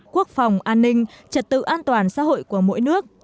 quốc phòng an ninh trật tự an toàn xã hội của mỗi nước